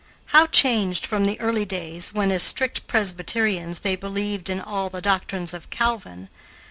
How changed from the early days when, as strict Presbyterians, they believed in all the doctrines of Calvin!